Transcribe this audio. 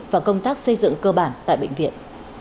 và công tác xây dựng cơ bản tại bệnh viện